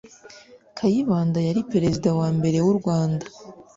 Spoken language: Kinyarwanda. Kayibanda yari perezida wa mbere w’ u Rwanda